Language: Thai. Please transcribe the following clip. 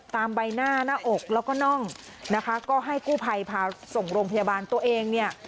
ใบหน้าหน้าอกแล้วก็น่องนะคะก็ให้กู้ภัยพาส่งโรงพยาบาลตัวเองเนี่ย